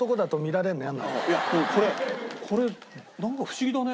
いやこれこれなんか不思議だね。